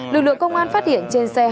lực lượng công an phát hiện trên xe